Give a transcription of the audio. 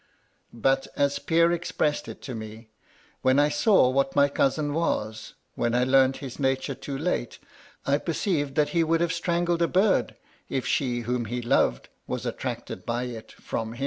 But, as Pierre expressed it to me :* When I saw what my cousin was, when I learned his nature too late, I perceived that he would have strangled a bird if she whom he loved was attracted by it from him.'